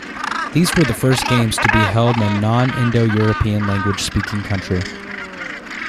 These were the first games to be held in a non-Indo-European language speaking country.